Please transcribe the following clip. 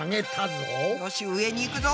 よし上に行くぞ！